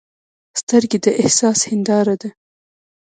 سترګې د احساس هنداره ده